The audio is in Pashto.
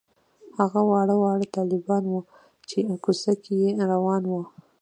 هغه واړه واړه طالبان وو چې کوڅه کې روان وو.